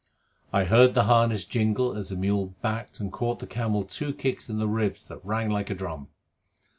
I heard the harness jingle as the mule backed and caught the camel two kicks in the ribs that rang like a drum.